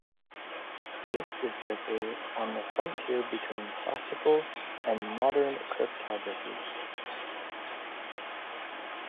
This is therefore on the frontier between classical and modern cryptography.